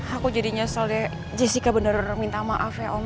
aku jadi nyesel deh jessica bener bener minta maaf ya om